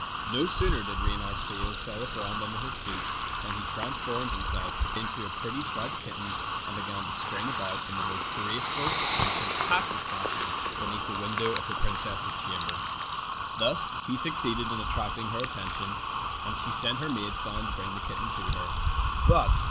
No sooner did Reynard feel solid ground under his feet than he transformed himself into a pretty striped kitten and began to spring about in the most graceful and fantastic fashion beneath the window of the princess's chamber. Thus he succeeded in attracting her attention, and she sent her maids down to bring the kitten to her.